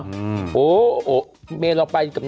อ้าวไอ้ผีกูจะไปรู้เรื่องก็ได้ยังไง